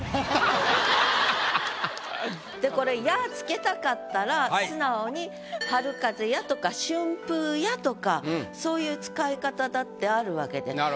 でこれ「や」付けたかったら素直に「春風や」とか「春風や」とかそういう使い方だってあるわけで。